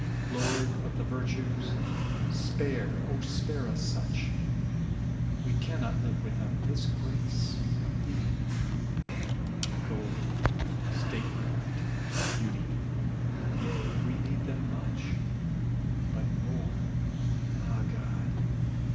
Lord of the virtues, spare, spare us such ! We cannot live without this grace from thee ; Gold, statecraft, beauty — ^yea, we need them much, But more — ^ah, God!